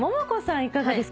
いかがですか？